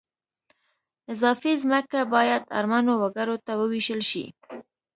اضافي ځمکه باید اړمنو وګړو ته ووېشل شي